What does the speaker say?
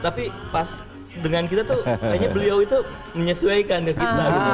tapi pas dengan kita tuh kayaknya beliau itu menyesuaikan ke kita gitu